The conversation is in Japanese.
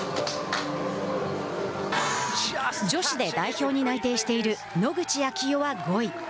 女子で代表に内定している野口啓代は５位。